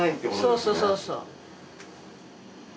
そうそうそうそう。